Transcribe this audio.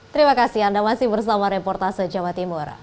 terima kasih anda masih bersama reportase jawa timur